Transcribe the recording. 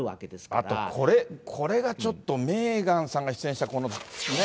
あとこれ、これがちょっと、メーガンさんが出演した